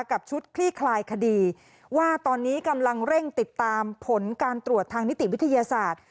กับชุดคลี่คลายคดีว่าตอนนี้กำลังเร่งติดตามผลการตรวจทางนิติวิทยาศาสตร์